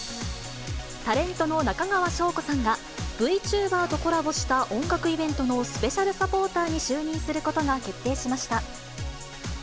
タレントの中川翔子さんが、Ｖチューバーとコラボした音楽イベントのスペシャルサポーターに就任することが決定しました。